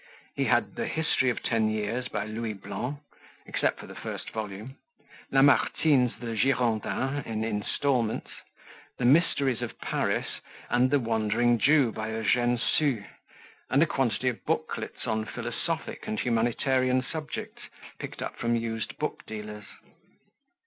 He had "The History of Ten Years" by Louis Blanc (except for the first volume), Lamartine's "The Girondins" in installments, "The Mysteries of Paris" and "The Wandering Jew" by Eugene Sue, and a quantity of booklets on philosophic and humanitarian subjects picked up from used book dealers.